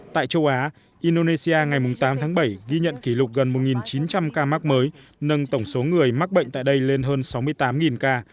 tại châu á indonesia ngày tám tháng bảy ghi nhận kỷ lục gần một chín trăm linh ca mắc mới nâng tổng số người mắc bệnh tại đây lên hơn sáu mươi tám ca